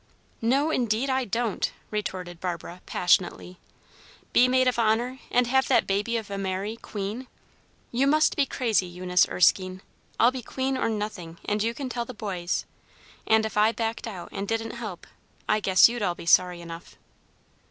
"No, indeed, I don't!" retorted Barbara, passionately. "Be maid of honor, and have that baby of a Mary, queen! You must be crazy, Eunice Erskine. I'll be queen or nothing, you can tell the boys; and if I backed out, and didn't help, I guess you'd all be sorry enough."